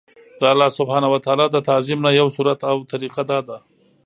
د الله سبحانه وتعالی د تعظيم نه يو صورت او طريقه دا ده